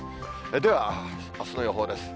ではあすの予報です。